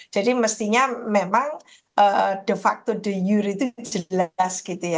jadi mestinya memang de facto de jure itu jelas gitu ya